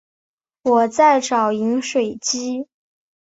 我在找饮水机